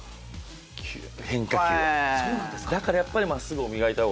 変化球を、だからやっぱりまっすぐを磨いた方が。